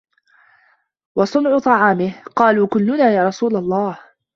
وَصُنْعَ طَعَامِهِ ؟ قَالُوا كُلُّنَا يَا رَسُولَ اللَّهِ